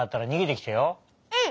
うん！